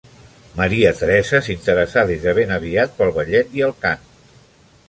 Maria Teresa s'interessà des de ben aviat pel ballet i el cant.